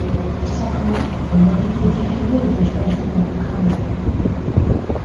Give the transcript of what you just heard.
Chaque mois, un invité différent était choisi comme programmateur.